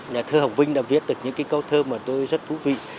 nhà thơ hồng vinh đã viết được những cái câu thơ mà tôi rất thú vị